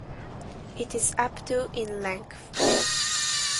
It is up to in length.